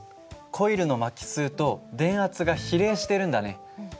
コイルの巻き数と電圧が比例してるんだね。